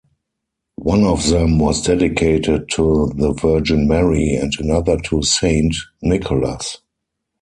One of them was dedicated to the Virgin Mary, and another to Saint Nicholas.